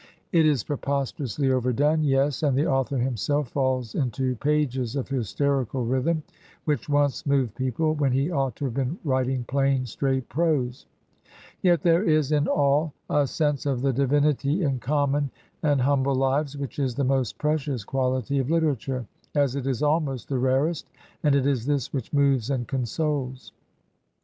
It is pre posterously overdone, yes, and the author himself falls into pages of hysterical rhythm, which once moved people, when he ought to have been writing plain, straight prose; yet there is in all a sense of the divinity in common and humble lives, which is the most precious quality of literature, as it is almost the rarest, and it is this which moves and consoles.